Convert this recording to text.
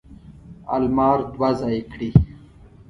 المار دوه ځایه کړي.